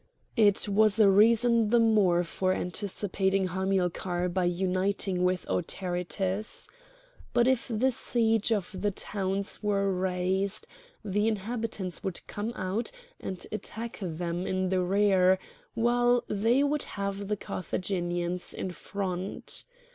It was a reason the more for anticipating Hamilcar by uniting with Autaritus. But if the siege of the towns were raised, the inhabitants would come out and attack them in the rear, while they would have the Carthaginians in front.